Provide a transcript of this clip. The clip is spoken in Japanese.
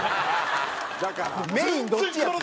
だからメインどっちやって。